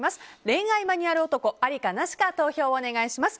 恋愛マニュアル男ありかなしか投票をお願いします。